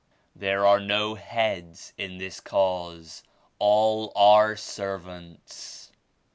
There are no ^heads' in this Cause ; all are 'Servants.'